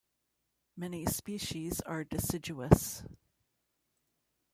Many species are deciduous.